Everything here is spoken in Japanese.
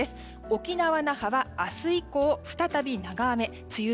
沖縄・那覇は明日以降再び長雨。